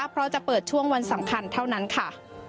เพราะจะเปิดช่วงวันสำคัญเท่านั้นค่ะ